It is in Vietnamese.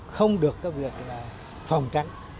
không được cái việc là phòng tránh